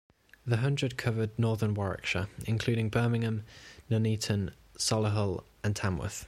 The hundred covered northern Warwickshire, including Birmingham, Nuneaton, Solihull and Tamworth.